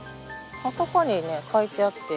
あそこにね書いてあって。